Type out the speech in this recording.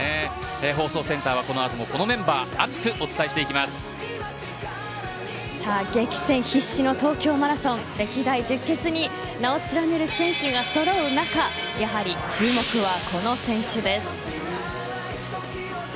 放送センターは、この後もこのメンバーが激戦必至の東京マラソン歴代十傑に名を連ねる選手がそろう中やはり注目はこの選手です。